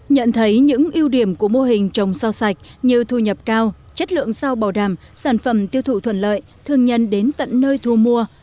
nhận thấy những ưu điểm của mô hình trồng rau sạch như thu nhập cao chất lượng sao bảo đảm sản phẩm tiêu thụ thuận lợi thương nhân đến tận nơi thu mua